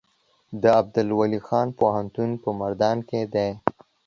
د عبدالولي خان پوهنتون په مردان کې دی